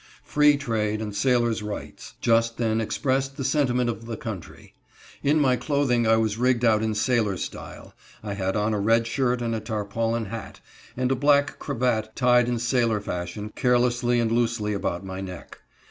"Free trade and sailors' rights" just then expressed the sentiment of the country. In my clothing I was rigged out in sailor style. I had on a red shirt and a tarpaulin hat, and a black cravat tied in sailor fashion carelessly and loosely about my neck.